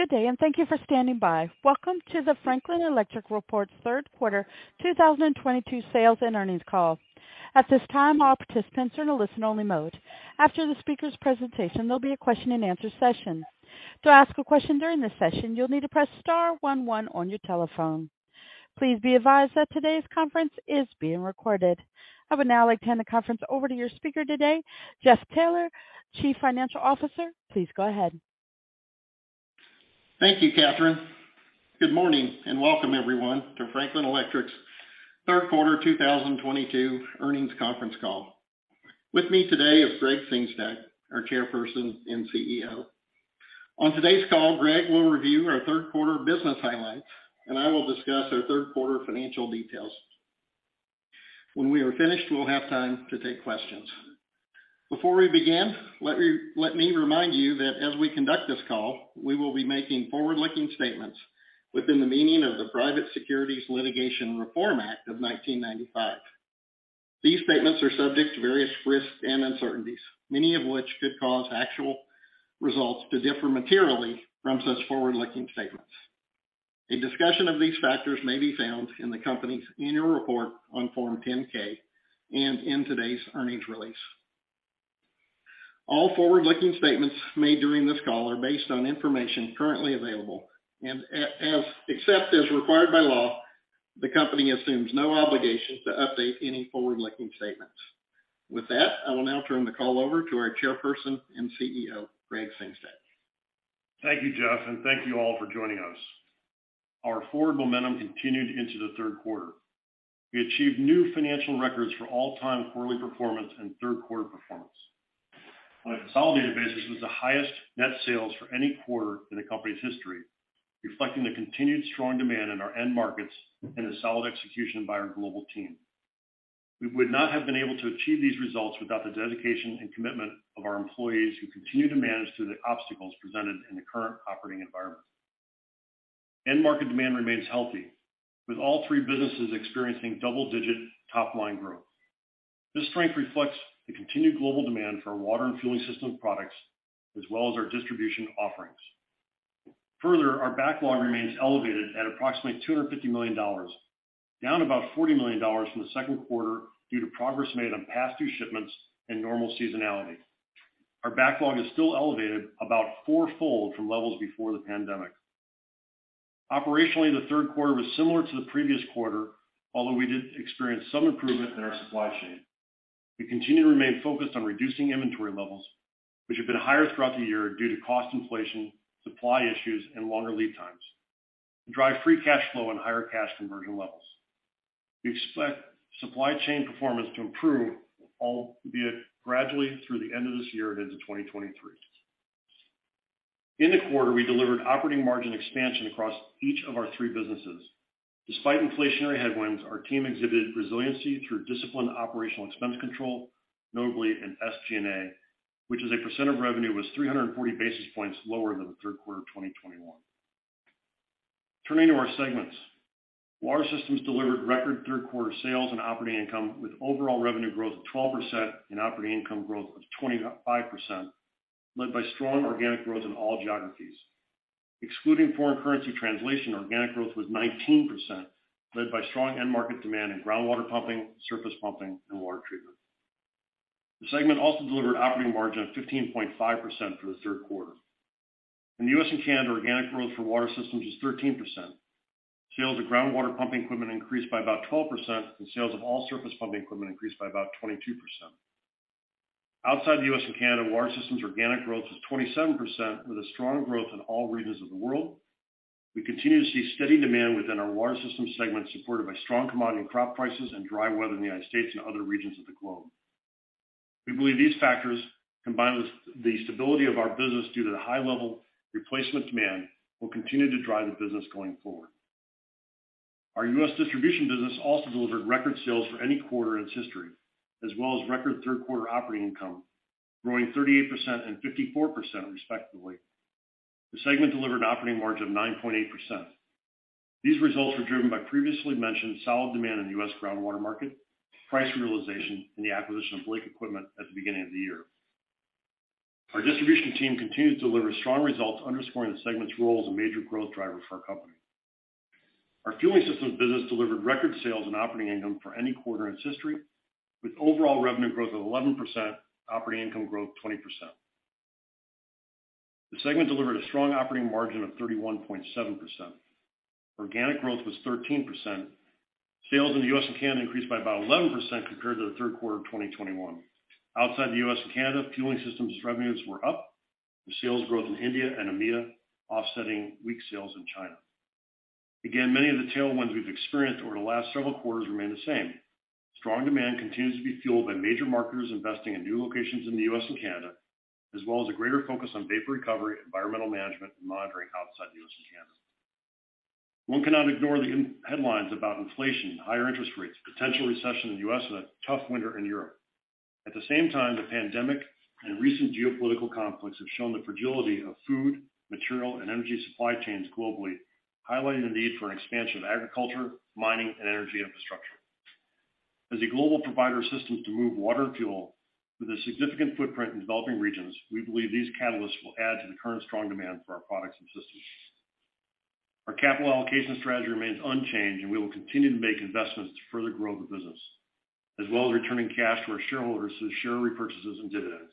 Good day, and thank you for standing by. Welcome to the Franklin Electric third quarter 2022 sales and earnings call. At this time, all participants are in a listen only mode. After the speaker's presentation, there'll be a question-and-answer session. To ask a question during this session, you'll need to press star one one on your telephone. Please be advised that today's conference is being recorded. I would now like to hand the conference over to your speaker today, Jeffery Taylor, Chief Financial Officer. Please go ahead. Thank you, Catherine. Good morning and welcome everyone to Franklin Electric's third quarter 2022 earnings conference call. With me today is Gregg Sengstack, our Chairperson and CEO. On today's call, Greg will review our third quarter business highlights, and I will discuss our third quarter financial details. When we are finished, we'll have time to take questions. Before we begin, let me remind you that as we conduct this call, we will be making forward-looking statements within the meaning of the Private Securities Litigation Reform Act of 1995. These statements are subject to various risks and uncertainties, many of which could cause actual results to differ materially from such forward-looking statements. A discussion of these factors may be found in the company's annual report on Form 10-K and in today's earnings release. All forward-looking statements made during this call are based on information currently available and, except as required by law, the company assumes no obligation to update any forward-looking statements. With that, I will now turn the call over to our Chairperson and CEO, Gregg Sengstack. Thank you, Jeff, and thank you all for joining us. Our forward momentum continued into the third quarter. We achieved new financial records for all-time quarterly performance and third quarter performance. On a consolidated basis, it was the highest net sales for any quarter in the company's history, reflecting the continued strong demand in our end markets and a solid execution by our global team. We would not have been able to achieve these results without the dedication and commitment of our employees who continue to manage through the obstacles presented in the current operating environment. End market demand remains healthy, with all three businesses experiencing double-digit top line growth. This strength reflects the continued global demand for our water and fueling system products, as well as our distribution offerings. Further, our backlog remains elevated at approximately $250 million, down about $40 million from the second quarter due to progress made on past due shipments and normal seasonality. Our backlog is still elevated about four-fold from levels before the pandemic. Operationally, the third quarter was similar to the previous quarter, although we did experience some improvement in our supply chain. We continue to remain focused on reducing inventory levels, which have been higher throughout the year due to cost inflation, supply issues, and longer lead times, to drive free cash flow and higher cash conversion levels. We expect supply chain performance to improve, albeit gradually through the end of this year into 2023. In the quarter, we delivered operating margin expansion across each of our three businesses. Despite inflationary headwinds, our team exhibited resiliency through disciplined operational expense control, notably in SG&A, which as a percent of revenue, was 340 basis points lower than the third quarter of 2021. Turning to our segments. Water Systems delivered record third quarter sales and operating income, with overall revenue growth of 12% and operating income growth of 25%, led by strong organic growth in all geographies. Excluding foreign currency translation, organic growth was 19%, led by strong end market demand in groundwater pumping, surface pumping, and water treatment. The segment also delivered operating margin of 15.5% for the third quarter. In the U.S. and Canada, organic growth for Water Systems was 13%. Sales of groundwater pumping equipment increased by about 12%, and sales of all surface pumping equipment increased by about 22%. Outside the U.S. and Canada, Water Systems organic growth was 27%, with a strong growth in all regions of the world. We continue to see steady demand within our Water Systems segment, supported by strong commodity crop prices and dry weather in the United States and other regions of the globe. We believe these factors, combined with the stability of our business due to the high level replacement demand, will continue to drive the business going forward. Our U.S. distribution business also delivered record sales for any quarter in its history, as well as record third quarter operating income, growing 38% and 54% respectively. The segment delivered operating margin of 9.8%. These results were driven by previously mentioned solid demand in the U.S. groundwater market, price realization, and the acquisition of Blake Equipment at the beginning of the year. Our distribution team continued to deliver strong results, underscoring the segment's role as a major growth driver for our company. Our fueling systems business delivered record sales and operating income for any quarter in its history, with overall revenue growth of 11%, operating income growth 20%. The segment delivered a strong operating margin of 31.7%. Organic growth was 13%. Sales in the U.S. and Canada increased by about 11% compared to the third quarter of 2021. Outside the U.S. and Canada, fueling systems revenues were up, with sales growth in India and EMEA offsetting weak sales in China. Again, many of the tailwinds we've experienced over the last several quarters remain the same. Strong demand continues to be fueled by major marketers investing in new locations in the U.S. and Canada, as well as a greater focus on vapor recovery, environmental management, and monitoring outside the U.S. and Canada. One cannot ignore the headlines about inflation, higher interest rates, potential recession in the U.S., and a tough winter in Europe. At the same time, the pandemic and recent geopolitical conflicts have shown the fragility of food, material, and energy supply chains globally, highlighting the need for an expansion of agriculture, mining, and energy infrastructure. As a global provider of systems to move water and fuel with a significant footprint in developing regions, we believe these catalysts will add to the current strong demand for our products and systems. Our capital allocation strategy remains unchanged, and we will continue to make investments to further grow the business, as well as returning cash to our shareholders through share repurchases and dividends.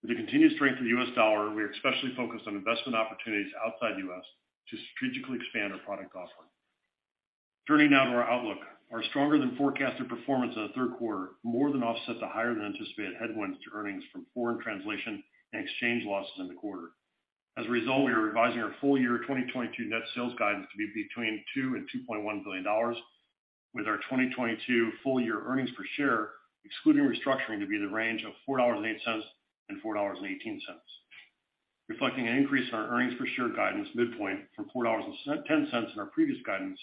With the continued strength of the US dollar, we are especially focused on investment opportunities outside the U.S. to strategically expand our product offering. Turning now to our outlook. Our stronger than forecasted performance in the third quarter more than offset the higher than anticipated headwinds to earnings from foreign translation and exchange losses in the quarter. As a result, we are revising our 2022 full year net sales guidance to be between $2 billion and $2.1 billion, with our 2022 full year earnings per share, excluding restructuring, to be in the range of $4.08 and $4.18, reflecting an increase in our earnings per share guidance midpoint from $4.10 in our previous guidance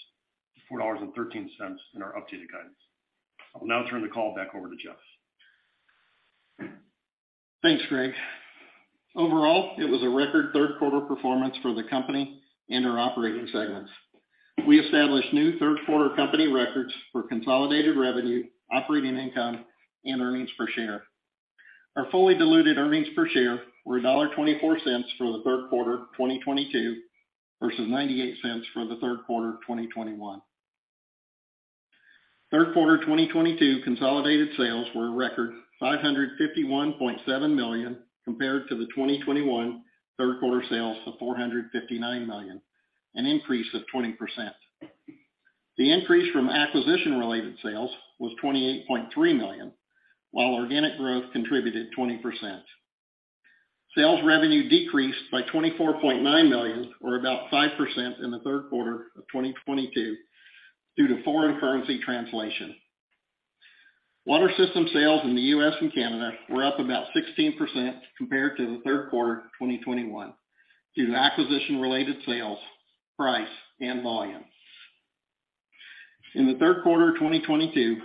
to $4.13 in our updated guidance. I'll now turn the call back over to Jeff. Thanks, Greg. Overall, it was a record third quarter performance for the company and our operating segments. We established new third quarter company records for consolidated revenue, operating income, and earnings per share. Our fully diluted earnings per share were $1.24 for the third quarter 2022 versus $0.98 for the third quarter of 2021. Third quarter 2022 consolidated sales were a record $551.7 million compared to the 2021 third quarter sales of $459 million, an increase of 20%. The increase from acquisition-related sales was $28.3 million, while organic growth contributed 20%. Sales revenue decreased by $24.9 million or about 5% in the third quarter of 2022 due to foreign currency translation. Water Systems sales in the US and Canada were up about 16% compared to the third quarter of 2021 due to acquisition-related sales, price, and volume. In the third quarter of 2022,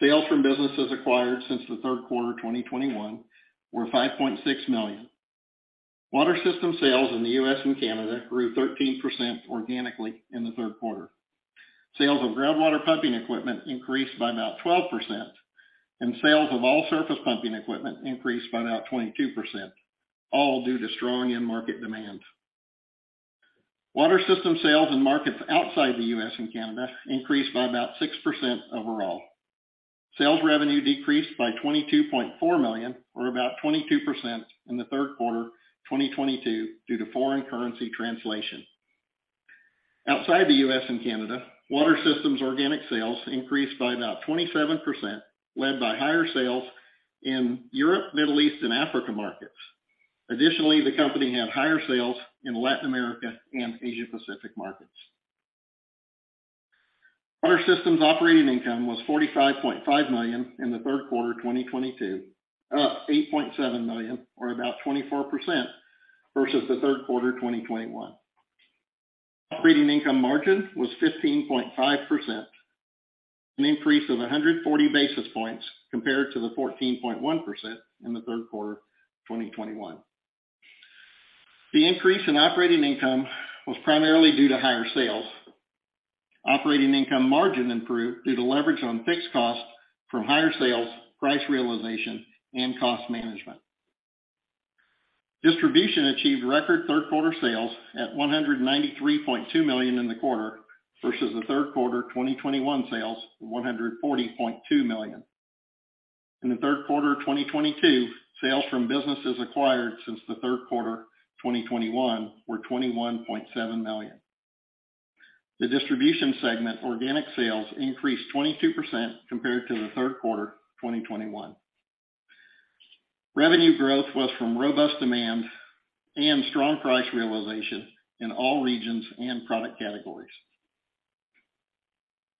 sales from businesses acquired since the third quarter of 2021 were $5.6 million. Water Systems sales in the US and Canada grew 13% organically in the third quarter. Sales of groundwater pumping equipment increased by about 12%, and sales of all surface pumping equipment increased by about 22%, all due to strong end market demand. Water Systems sales in markets outside the US and Canada increased by about 6% overall. Sales revenue decreased by $22.4 million, or about 22% in the third quarter of 2022 due to foreign currency translation. Outside the US and Canada, Water Systems organic sales increased by about 27%, led by higher sales in Europe, Middle East, and Africa markets. Additionally, the company had higher sales in Latin America and Asia Pacific markets. Water Systems operating income was $45.5 million in the third quarter of 2022, up $8.7 million or about 24% versus the third quarter of 2021. Operating income margin was 15.5%, an increase of 140 basis points compared to the 14.1% in the third quarter of 2021. The increase in operating income was primarily due to higher sales. Operating income margin improved due to leverage on fixed costs from higher sales, price realization, and cost management. Distribution achieved record third quarter sales at $193.2 million in the quarter versus the third quarter of 2021 sales of $140.2 million. In the third quarter of 2022, sales from businesses acquired since the third quarter of 2021 were $21.7 million. The distribution segment organic sales increased 22% compared to the third quarter of 2021. Revenue growth was from robust demand and strong price realization in all regions and product categories.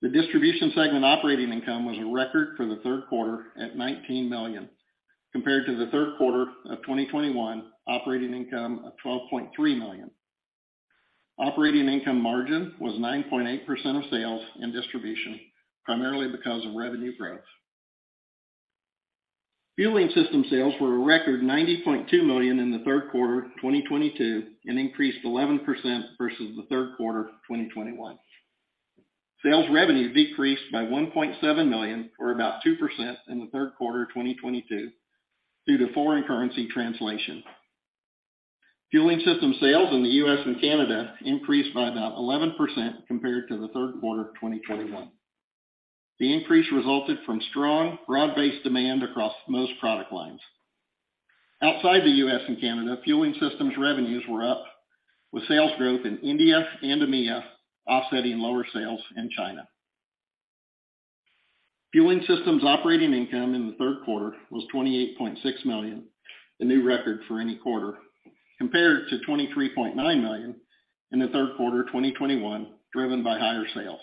The distribution segment operating income was a record for the third quarter at $19 million, compared to the third quarter of 2021 operating income of $12.3 million. Operating income margin was 9.8% of sales in distribution, primarily because of revenue growth. Fueling system sales were a record $90.2 million in the third quarter of 2022 and increased 11% versus the third quarter of 2021. Sales revenue decreased by $1.7 million, or about 2% in the third quarter of 2022 due to foreign currency translation. Fueling system sales in the US and Canada increased by about 11% compared to the third quarter of 2021. The increase resulted from strong broad-based demand across most product lines. Outside the US and Canada, fueling systems revenues were up with sales growth in India and EMEA offsetting lower sales in China. Fueling systems operating income in the third quarter was $28.6 million, a new record for any quarter, compared to $23.9 million in the third quarter of 2021, driven by higher sales.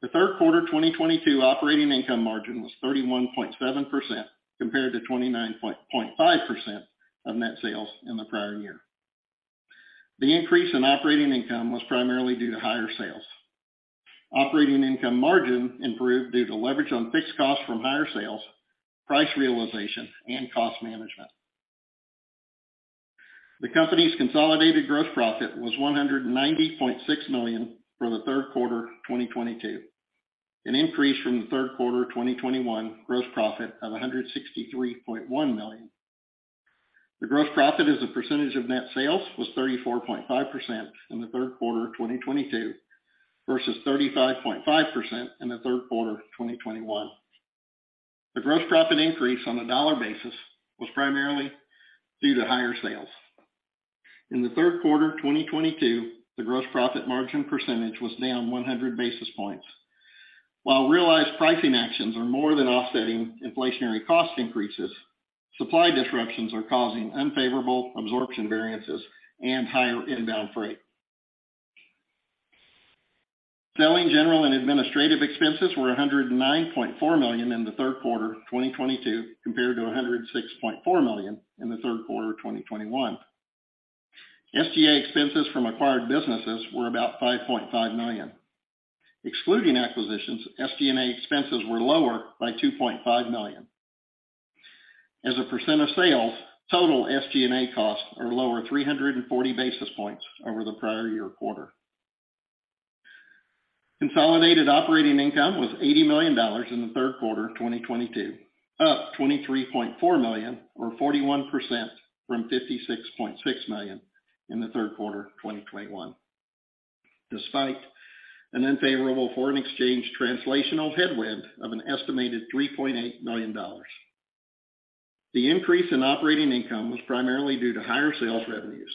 The third quarter of 2022 operating income margin was 31.7% compared to 29.5% of net sales in the prior year. The increase in operating income was primarily due to higher sales. Operating income margin improved due to leverage on fixed costs from higher sales, price realization, and cost management. The company's consolidated gross profit was $190.6 million for the third quarter of 2022, an increase from the third quarter of 2021 gross profit of $163.1 million. The gross profit as a percentage of net sales was 34.5% in the third quarter of 2022 versus 35.5% in the third quarter of 2021. The gross profit increase on a dollar basis was primarily due to higher sales. In the third quarter of 2022, the gross profit margin percentage was down 100 basis points. While realized pricing actions are more than offsetting inflationary cost increases, supply disruptions are causing unfavorable absorption variances and higher inbound freight. Selling, general, and administrative expenses were $109.4 million in the third quarter of 2022 compared to $106.4 million in the third quarter of 2021. SG&A expenses from acquired businesses were about $5.5 million. Excluding acquisitions, SG&A expenses were lower by $2.5 million. As a percent of sales, total SG&A costs are lower 340 basis points over the prior year quarter. Consolidated operating income was $80 million in the third quarter of 2022, up $23.4 million or 41% from $56.6 million in the third quarter of 2021, despite an unfavorable foreign exchange translational headwind of an estimated $3.8 million. The increase in operating income was primarily due to higher sales revenues.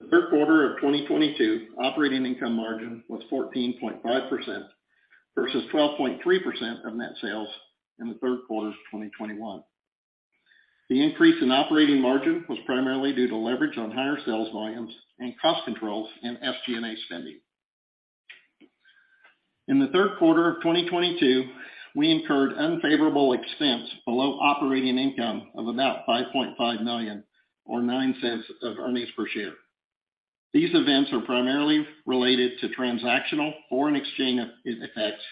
The third quarter of 2022 operating income margin was 14.5% versus 12.3% of net sales in the third quarter of 2021. The increase in operating margin was primarily due to leverage on higher sales volumes and cost controls in SG&A spending. In the third quarter of 2022, we incurred unfavorable expense below operating income of about $5.5 million or $0.09 of earnings per share. These events are primarily related to transactional foreign exchange effects,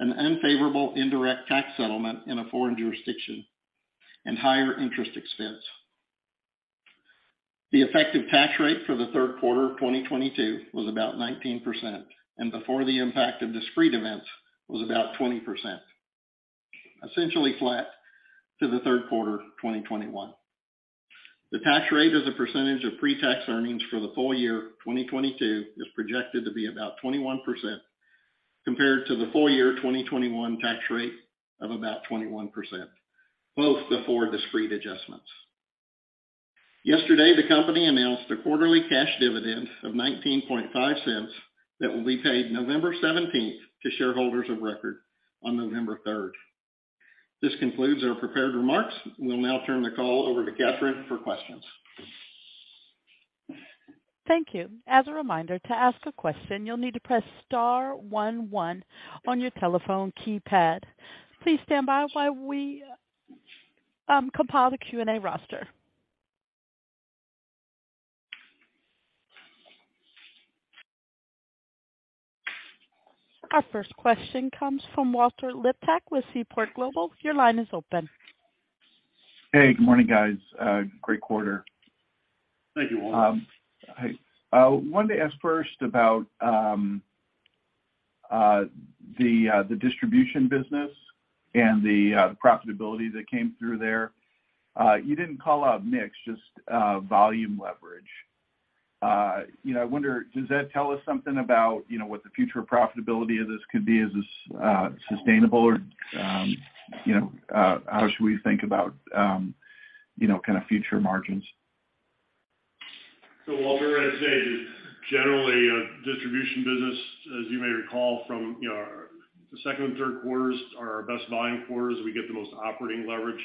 an unfavorable indirect tax settlement in a foreign jurisdiction, and higher interest expense. The effective tax rate for the third quarter of 2022 was about 19%, and before the impact of discrete events was about 20%, essentially flat to the third quarter of 2021. The tax rate as a percentage of pre-tax earnings for the full year of 2022 is projected to be about 21% compared to the full year 2021 tax rate of about 21%, both before discrete adjustments. Yesterday, the company announced a quarterly cash dividend of $0.195 that will be paid November seventeenth to shareholders of record on November third. This concludes our prepared remarks. We will now turn the call over to Catherine for questions. Thank you. As a reminder, to ask a question, you'll need to press star one one on your telephone keypad. Please stand by while we compile the Q&A roster. Our first question comes from Walter Liptak with Seaport Global. Your line is open. Hey, good morning, guys. Great quarter. Thank you, Walter. Hi. I wanted to ask first about the distribution business and the profitability that came through there. You didn't call out mix, just volume leverage. You know, I wonder, does that tell us something about, you know, what the future profitability of this could be? Is this sustainable? Or, you know, how should we think about, you know, kind of future margins? Walter, I'd say, generally, distribution business, as you may recall from, you know, the second and third quarters are our best volume quarters. We get the most operating leverage.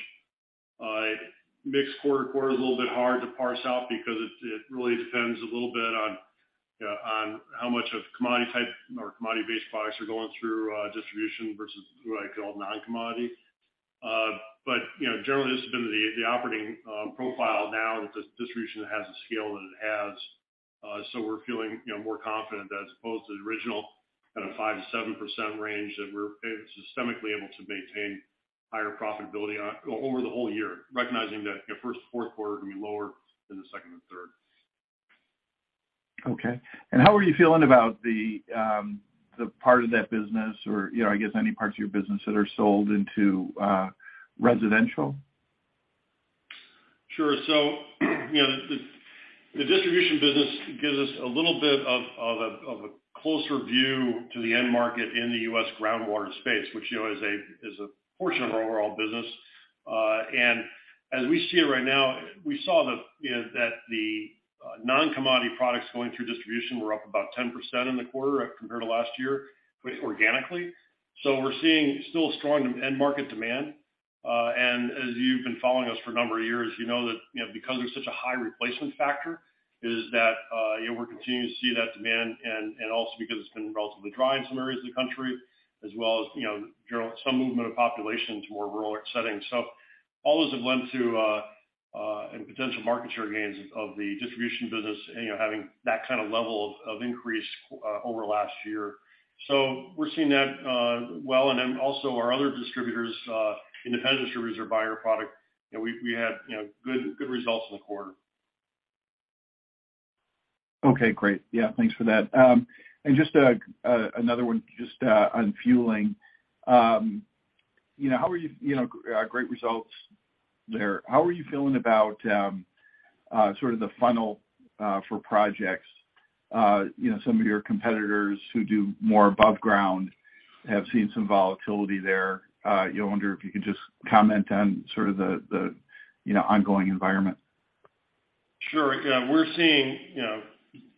Mix quarter to quarter is a little bit hard to parse out because it really depends a little bit on how much of commodity type or commodity-based products are going through, distribution versus what I call non-commodity. You know, generally this has been the operating profile now that the distribution has the scale that it has. We're feeling, you know, more confident as opposed to the original kind of 5%-7% range that we're systemically able to maintain higher profitability over the whole year, recognizing that, you know, first and fourth quarter can be lower than the second and third. Okay. How are you feeling about the part of that business or, you know, I guess any parts of your business that are sold into residential? Sure. You know, the distribution business gives us a little bit of a closer view to the end market in the U.S. groundwater space, which, you know, is a portion of our overall business. As we see it right now, we saw that, you know, that the non-commodity products going through distribution were up about 10% in the quarter compared to last year organically. We're seeing still strong end market demand. As you've been following us for a number of years, you know that, you know, because there's such a high replacement factor is that, you know, we're continuing to see that demand and also because it's been relatively dry in some areas of the country, as well as, you know, general, some movement of population to more rural settings. All those have led to and potential market share gains of the distribution business, you know, having that kind of level of increase over last year. We're seeing that, well, and then also our other distributors, independent distributors who buy our product, you know, we had good results in the quarter. Okay, great. Yeah, thanks for that. Just another one on fueling. You know, great results there. How are you feeling about sort of the funnel for projects? You know, some of your competitors who do more above ground have seen some volatility there. I wonder if you could just comment on sort of the ongoing environment. Sure. Yeah. We're seeing, you know,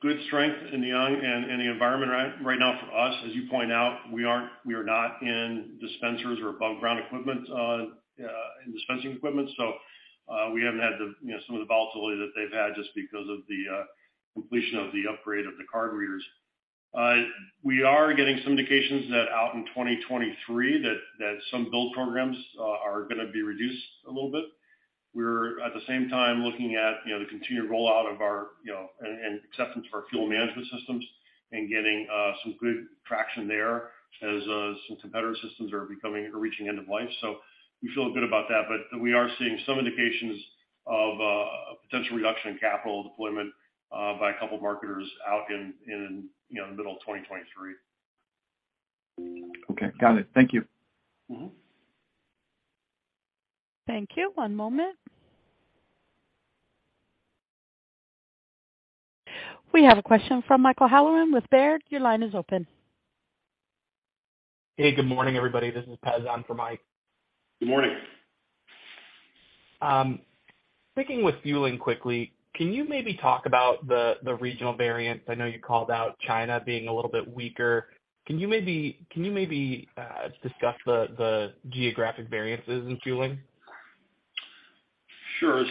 good strength in the environment right now for us. As you point out, we are not in dispensers or above ground equipment in dispensing equipment. We haven't had the, you know, some of the volatility that they've had just because of the completion of the upgrade of the card readers. We are getting some indications that out in 2023 that some build programs are gonna be reduced a little bit. We're at the same time looking at, you know, the continued rollout of our, you know, and acceptance of our fuel management systems and getting some good traction there as some competitor systems are becoming or reaching end of life. We feel good about that, but we are seeing some indications of potential reduction in capital deployment by a couple of marketers out in you know, the middle of 2023. Okay. Got it. Thank you. Thank you. One moment. We have a question from Michael Halloran with Baird. Your line is open. Hey, good morning, everybody. This is Pez on for Mike. Good morning. Sticking with fueling quickly, can you maybe talk about the regional variance? I know you called out China being a little bit weaker. Can you maybe discuss the geographic variances in fueling? Sure.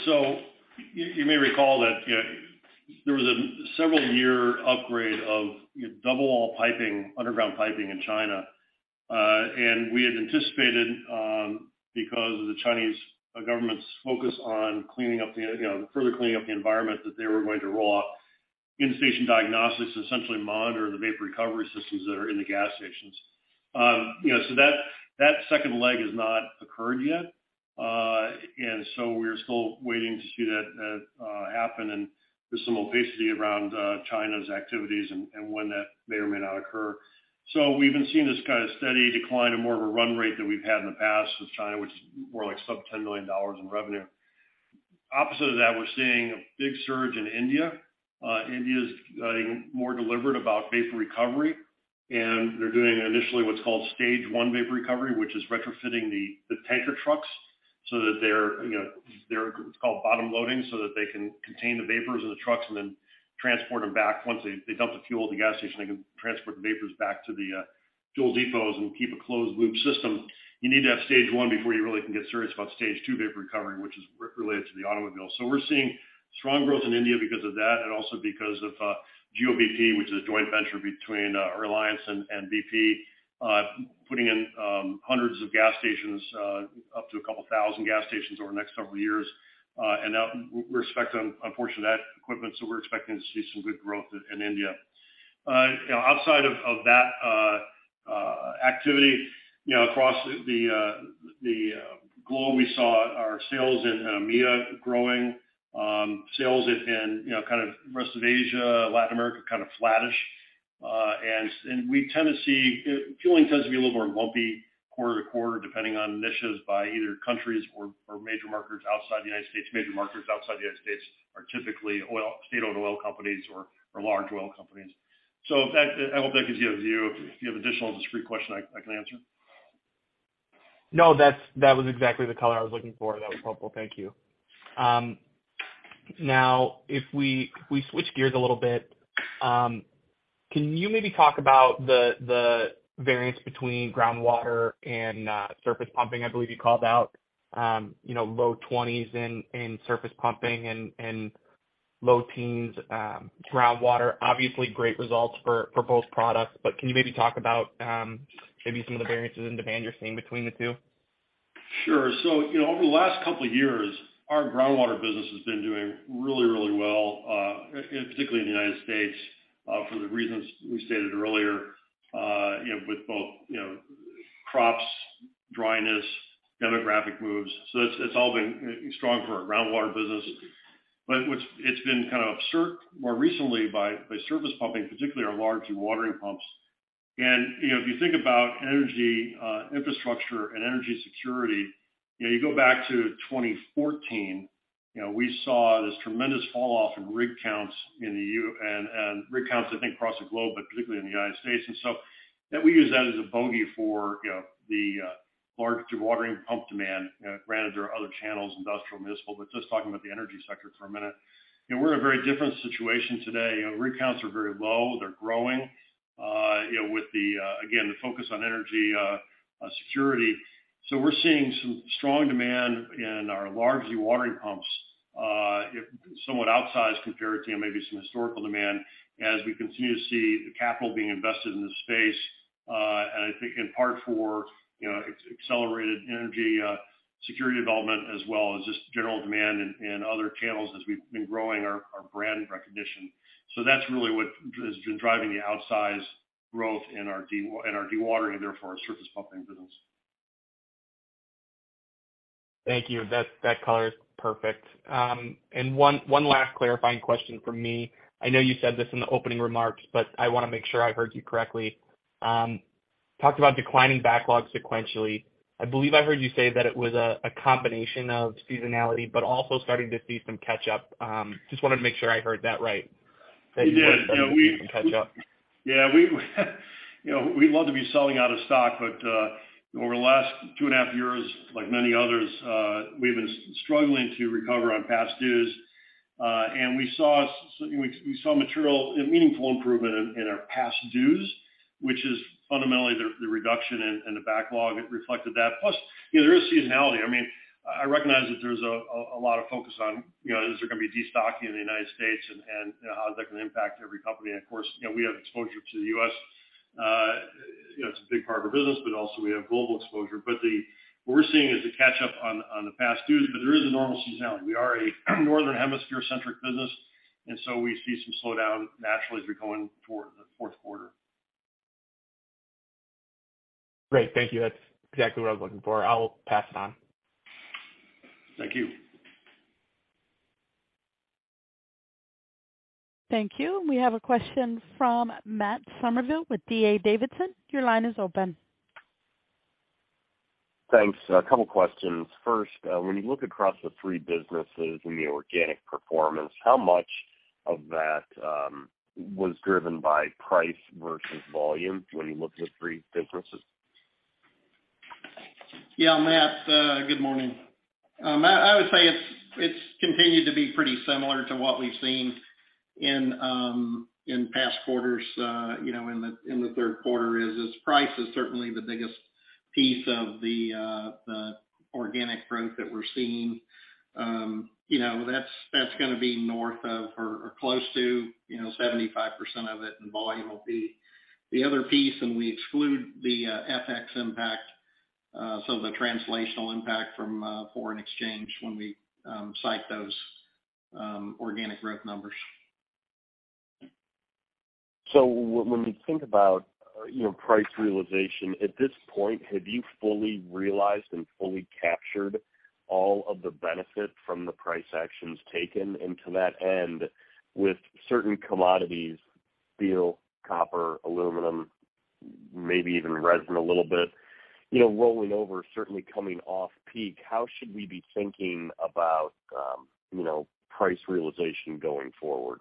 You may recall that, you know, there was a several year upgrade of double wall piping, underground piping in China. We had anticipated, because of the Chinese government's focus on cleaning up the, you know, further cleaning up the environment that they were going to roll out in-station diagnostics to essentially monitor the vapor recovery systems that are in the gas stations. You know, that second leg has not occurred yet. We're still waiting to see that happen. There's some opacity around China's activities and when that may or may not occur. We've been seeing this kind of steady decline and more of a run rate than we've had in the past with China, which is more like sub $10 million in revenue. Opposite of that, we're seeing a big surge in India. India is getting more deliberate about vapor recovery, and they're doing initially what's called stage one vapor recovery, which is retrofitting the tanker trucks so that it's called bottom loading, so that they can contain the vapors of the trucks and then transport them back. Once they dump the fuel at the gas station, they can transport the vapors back to the fuel depots and keep a closed loop system. You need to have stage one before you really can get serious about stage two vapor recovery, which is related to the automobile. We're seeing strong growth in India because of that and also because of Jio-bp, which is a joint venture between Reliance and BP putting in hundreds of gas stations up to a couple thousand gas stations over the next couple of years. That we're expecting a portion of that equipment, so we're expecting to see some good growth in India. You know, outside of that activity, you know, across the globe, we saw our sales in EMEA growing, sales in, you know, kind of rest of Asia, Latin America, kind of flattish. Fueling tends to be a little more bumpy quarter to quarter, depending on initiatives by either countries or major marketers outside the United States. Major marketers outside the United States are typically oil, state-owned oil companies or large oil companies. That gives you a view. If you have additional discrete question, I can answer. No, that was exactly the color I was looking for. That was helpful. Thank you. Now, if we switch gears a little bit, can you maybe talk about the variance between groundwater and surface pumping? I believe you called out, you know, low 20s% in surface pumping and low teens% groundwater. Obviously great results for both products. Can you maybe talk about maybe some of the variances in demand you're seeing between the two? Sure. You know, over the last couple of years, our groundwater business has been doing really, really well, and particularly in the United States, for the reasons we stated earlier, you know, with both, you know, crops, dryness, demographic moves. It's all been strong for our groundwater business. What's been kind of absurd more recently by surface pumping, particularly our large dewatering pumps. You know, if you think about energy infrastructure and energy security, you know, you go back to 2014, you know, we saw this tremendous fall off in rig counts in the U.S. and rig counts, I think, across the globe, but particularly in the United States. That we use that as a bogey for, you know, the large dewatering pump demand. Granted, there are other channels, industrial, municipal, but just talking about the energy sector for a minute. You know, we're in a very different situation today. You know, rig counts are very low. They're growing, you know, with the, again, the focus on energy, security. We're seeing some strong demand in our large dewatering pumps, somewhat outsized compared to maybe some historical demand as we continue to see the capital being invested in the space. I think in part for, you know, accelerated energy, security development as well as just general demand in other channels as we've been growing our brand recognition. That's really what has been driving the outsized growth in our dewatering, therefore, our surface pumping business. Thank you. That color is perfect. One last clarifying question from me. I know you said this in the opening remarks, but I wanna make sure I heard you correctly. Talked about declining backlog sequentially. I believe I heard you say that it was a combination of seasonality, but also starting to see some catch-up. Just wanted to make sure I heard that right. We did. That you were starting to see some catch up. Yeah. We, you know, we'd love to be selling out of stock, but over the last 2.5 years, like many others, we've been struggling to recover on past dues. We saw a material, meaningful improvement in our past dues, which is fundamentally the reduction in the backlog. It reflected that. Plus, you know, there is seasonality. I mean, I recognize that there's a lot of focus on, you know, is there gonna be destocking in the United States and how that can impact every company. Of course, you know, we have exposure to the U.S. You know, it's a big part of our business, but also we have global exposure. What we're seeing is the catch up on the past dues, but there is a normal seasonality. We are a Northern Hemisphere centric business, and so we see some slowdown naturally as we're going toward the fourth quarter. Great. Thank you. That's exactly what I was looking for. I'll pass it on. Thank you. Thank you. We have a question from Matt Summerville with D.A. Davidson. Your line is open. Thanks. A couple questions. First, when you look across the three businesses and the organic performance, how much of that was driven by price versus volume when you look at the three differences? Yeah, Matt, good morning. I would say it's continued to be pretty similar to what we've seen in past quarters, you know, in the third quarter, this price is certainly the biggest piece of the organic growth that we're seeing. You know, that's gonna be north of, or close to, you know, 75% of it, and volume will be the other piece, and we exclude the FX impact, so the translational impact from foreign exchange when we cite those organic growth numbers. When we think about, you know, price realization, at this point, have you fully realized and fully captured all of the benefit from the price actions taken? To that end, with certain commodities, steel, copper, aluminum, maybe even resin a little bit, you know, rolling over, certainly coming off peak, how should we be thinking about, you know, price realization going forward?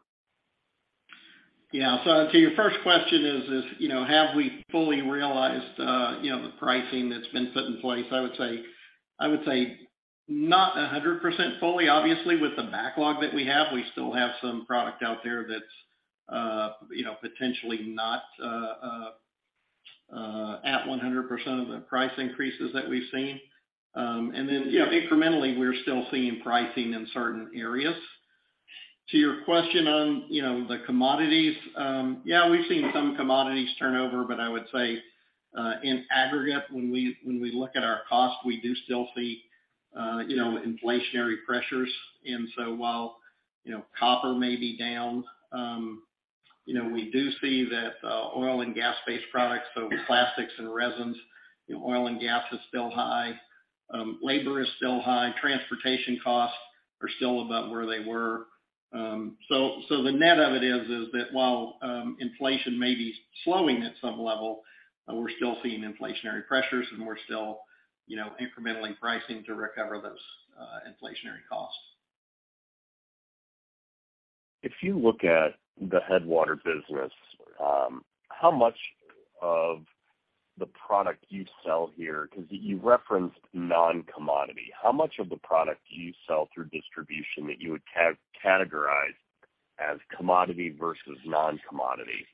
To your first question is, you know, have we fully realized, you know, the pricing that's been put in place? I would say not 100% fully. Obviously, with the backlog that we have, we still have some product out there that's, you know, potentially not at 100% of the price increases that we've seen. And then incrementally, we're still seeing pricing in certain areas. To your question on, you know, the commodities, yeah, we've seen some commodities turnover, but I would say in aggregate, when we look at our cost, we do still see, you know, inflationary pressures. While, you know, copper may be down, you know, we do see that oil and gas-based products, so plastics and resins, you know, oil and gas is still high. Labor is still high. Transportation costs are still about where they were. So the net of it is that while inflation may be slowing at some level, we're still seeing inflationary pressures, and we're still, you know, incrementally pricing to recover those inflationary costs. If you look at the Headwater business, how much of the product you sell here? 'Cause you referenced non-commodity. How much of the product do you sell through distribution that you would categorize as commodity versus non-commodity?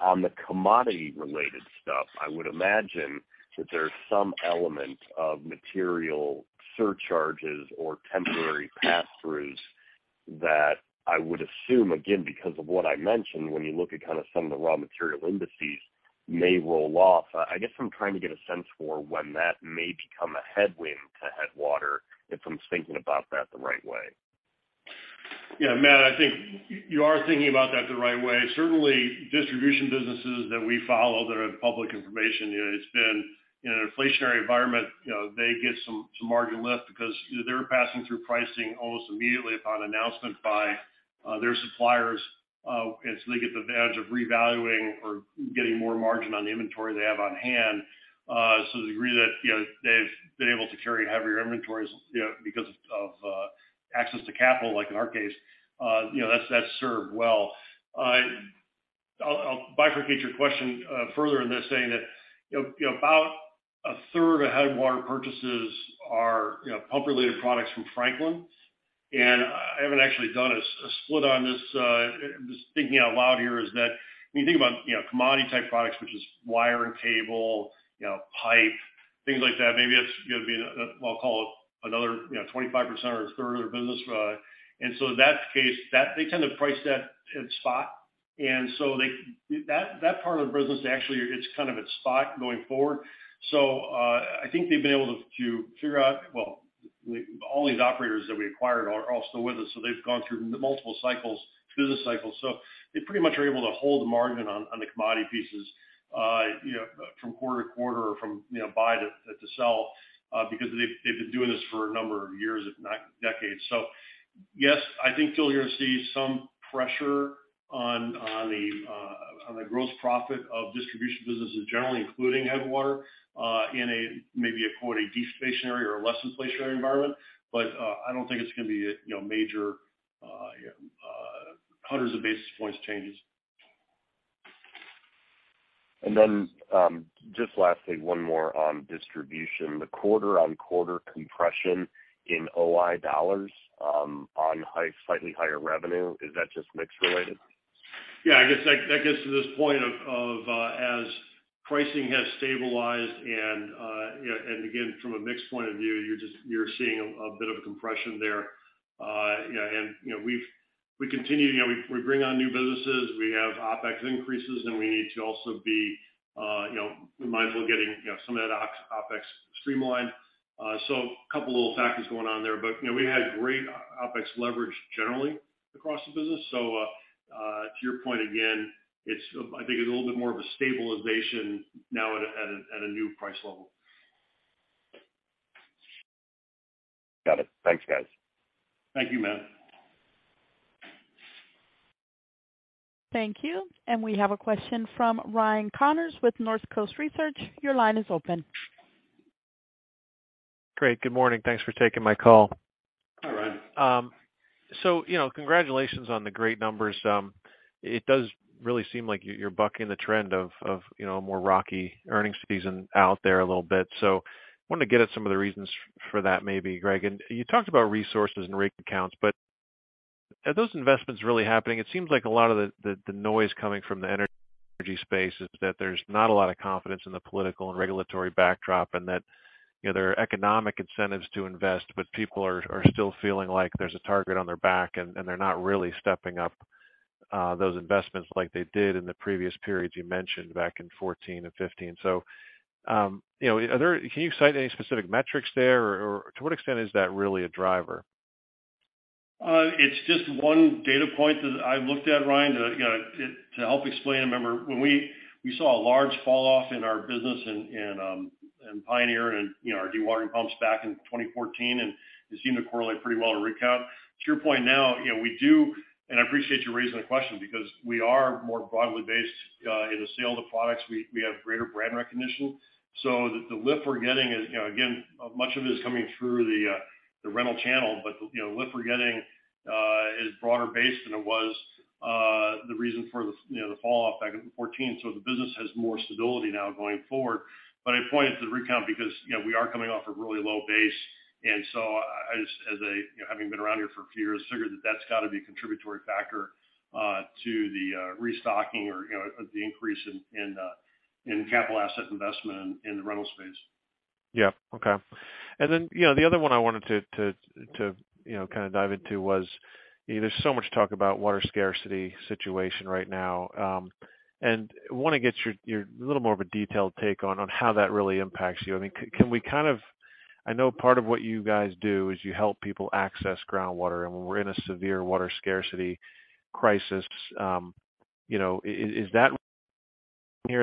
On the commodity related stuff, I would imagine that there's some element of material surcharges or temporary pass-throughs that I would assume, again, because of what I mentioned, when you look at kinda some of the raw material indices may roll off. I guess I'm trying to get a sense for when that may become a headwind to Headwater, if I'm thinking about that the right way. Yeah, Matt, I think you are thinking about that the right way. Certainly, distribution businesses that we follow that are public information, you know, it's been in an inflationary environment, you know, they get some margin lift because they're passing through pricing almost immediately upon announcement by their suppliers. And so they get the advantage of revaluing or getting more margin on the inventory they have on hand. So to the degree that, you know, they've been able to carry heavier inventories, you know, because of access to capital, like in our case, you know, that's served well. I'll bifurcate your question further in this saying that, you know, about a third of Headwater purchases are, you know, pump-related products from Franklin. I haven't actually done a split on this. I'm just thinking out loud here is that when you think about, you know, commodity type products, which is wire and cable, you know, pipe, things like that, maybe that's gonna be, I'll call it another, you know, 25% or a third of their business. In that case, they tend to price that in spot. That part of the business actually it's kind of at spot going forward. I think they've been able to figure out. All these operators that we acquired are all still with us. They've gone through multiple cycles, business cycles. They pretty much are able to hold the margin on the commodity pieces, you know, from quarter to quarter or from, you know, buy to sell, because they've been doing this for a number of years, if not decades. Yes, I think you'll hear and see some pressure on the gross profit of distribution businesses generally, including Headwater, in maybe a quote a deflationary or a less inflationary environment. I don't think it's gonna be a you know major hundreds of basis points changes. Just lastly, one more on distribution. The quarter-on-quarter compression in OI dollars, on slightly higher revenue, is that just mix related? Yeah, I guess that gets to this point of as pricing has stabilized and, you know, and again, from a mix point of view, you're seeing a bit of a compression there. You know, we continue, you know, we bring on new businesses, we have OpEx increases, and we need to also be, you know, mindful of getting, you know, some of that OpEx streamlined. So a couple of little factors going on there. You know, we had great OpEx leverage generally across the business. To your point, again, it's, I think it's a little bit more of a stabilization now at a new price level. Got it. Thanks, guys. Thank you, Matt. Thank you. We have a question from Ryan Connors with Northcoast Research. Your line is open. Great. Good morning. Thanks for taking my call. Hi, Ryan. you know, congratulations on the great numbers. It does really seem like you're bucking the trend of you know, a more rocky earnings season out there a little bit. Wanted to get at some of the reasons for that maybe, Greg. You talked about resources and rig counts, but are those investments really happening? It seems like a lot of the noise coming from the energy space is that there's not a lot of confidence in the political and regulatory backdrop, and that you know, there are economic incentives to invest, but people are still feeling like there's a target on their back and they're not really stepping up those investments like they did in the previous periods you mentioned back in 2014 and 2015. You know, can you cite any specific metrics there or to what extent is that really a driver? It's just one data point that I looked at, Ryan, you know, to help explain. Remember when we saw a large falloff in our business in Pioneer and, you know, our dewatering pumps back in 2014, and it seemed to correlate pretty well to rig count. To your point now, you know, we do. I appreciate you raising the question because we are more broadly based in the sale of the products. We have greater brand recognition. The lift we're getting is, you know, again, much of it is coming through the rental channel. You know, the lift we're getting is broader based than it was, the reason for the falloff back in 2014. The business has more stability now going forward. I pointed to the rig count because, you know, we are coming off a really low base. I just, as a, you know, having been around here for a few years, figure that that's got to be a contributory factor to the restocking or, you know, the increase in in capital asset investment in the rental space. Yeah. Okay. You know, the other one I wanted to you know kind of dive into was you know there's so much talk about water scarcity situation right now. Wanna get a little more of a detailed take on how that really impacts you. I mean, I know part of what you guys do is you help people access groundwater. When we're in a severe water scarcity crisis, you know, is it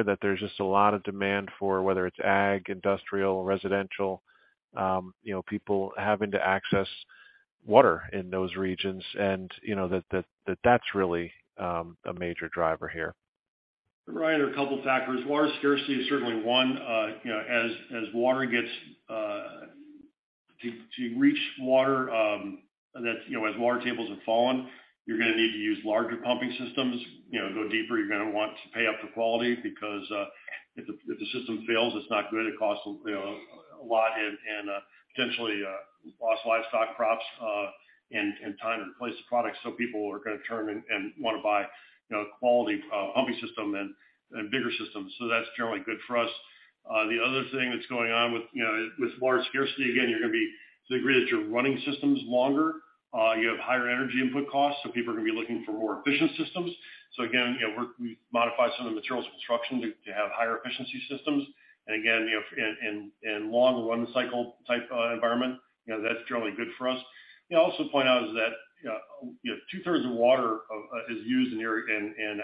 that there's just a lot of demand for, whether it's ag, industrial, residential, you know people having to access water in those regions and, you know, that that's really a major driver here. Ryan, there are a couple factors. Water scarcity is certainly one. You know, as water tables have fallen, you're gonna need to use larger pumping systems. You know, go deeper. You're gonna want to pay up for quality because if the system fails, it's not good. It costs, you know, a lot and potentially lost livestock, crops, and time to replace the product. People are gonna turn and wanna buy, you know, quality pumping system and bigger systems. That's generally good for us. The other thing that's going on with, you know, with water scarcity, again, to the degree that you're running systems longer, you have higher energy input costs, so people are gonna be looking for more efficient systems. Again, you know, we modify some of the materials of construction to have higher efficiency systems. Again, you know, in long run cycle type environment, you know, that's generally good for us. You know, also point out is that, you know, two-thirds of water is used in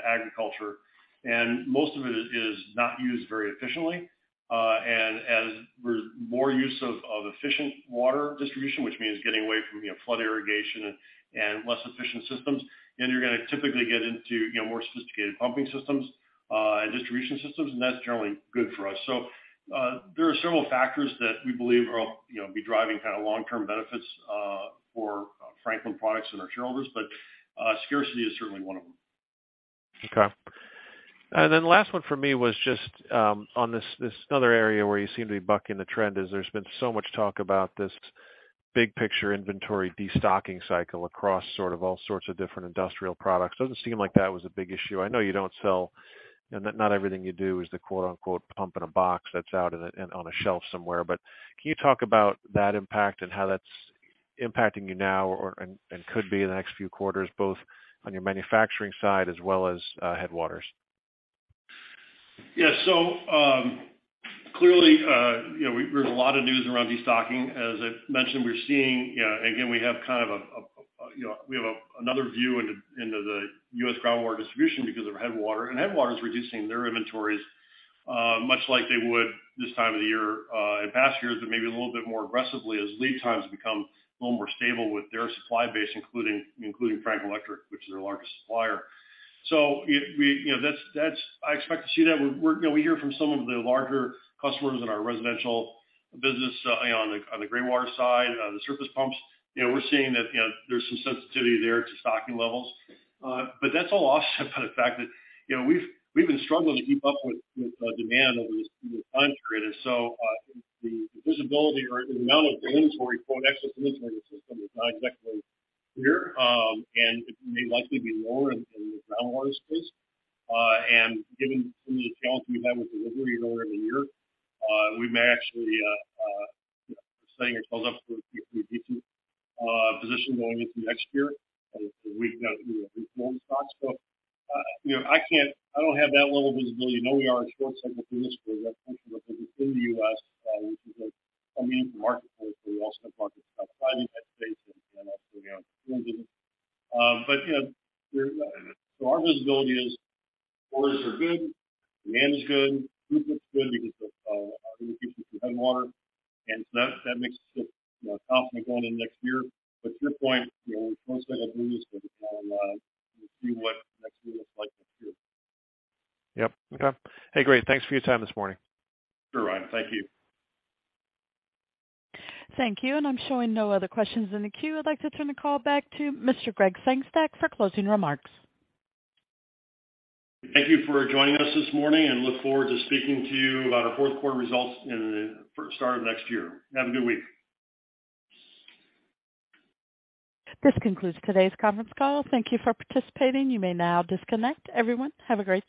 agriculture, and most of it is not used very efficiently. As we see more use of efficient water distribution, which means getting away from, you know, flood irrigation and less efficient systems, then you're gonna typically get into, you know, more sophisticated pumping systems and distribution systems, and that's generally good for us. There are several factors that we believe will, you know, be driving kind of long-term benefits for Franklin products and our shareholders. Scarcity is certainly one of them. Okay. Last one for me was just on this other area where you seem to be bucking the trend is there's been so much talk about this big picture inventory destocking cycle across sort of all sorts of different industrial products. Doesn't seem like that was a big issue. I know you don't sell. You know, not everything you do is the quote-unquote pump in a box that's out on a shelf somewhere. But can you talk about that impact and how that's impacting you now and could be in the next few quarters, both on your manufacturing side as well as Headwater? Yeah. Clearly, you know, there's a lot of news around destocking. As I mentioned, we're seeing again, we have kind of a you know we have another view into the U.S. groundwater distribution because of Headwater. Headwater is reducing their inventories much like they would this time of the year in past years, but maybe a little bit more aggressively as lead times become a little more stable with their supply base, including Franklin Electric, which is their largest supplier. We you know that's. I expect to see that. We're you know we hear from some of the larger customers in our residential business you know on the gray water side, on the surface pumps. You know, we're seeing that, you know, there's some sensitivity there to stocking levels. that's all offset by the fact that, you know, we've been struggling to keep up with demand over this time period. The visibility or the amount of inventory flow, excess inventory in the system is not exactly clear. It may likely be lower in the groundwater space. Given some of the challenges we've had with delivery earlier in the year, we may actually, you know, set ourselves up with a pretty decent position going into next year as we've got, you know, reflow in stocks. You know, I don't have that level of visibility. I know we are in a short cycle through this because that function within the U.S., which is coming into marketplace, but we also have markets outside the United States and also, you know. Our visibility is orders are good, demand is good, throughput's good because of our relationships with Headwater. That makes us feel, you know, confident going into next year. To your point, you know, we're still going to do this, but we'll see what next year looks like next year. Yep. Okay. Hey, great. Thanks for your time this morning. Sure, Ryan. Thank you. Thank you. I'm showing no other questions in the queue. I'd like to turn the call back to Mr. Gregg Sengstack for closing remarks. Thank you for joining us this morning. Look forward to speaking to you about our fourth quarter results in the first quarter of next year. Have a good week. This concludes today's conference call. Thank you for participating. You may now disconnect. Everyone, have a great day.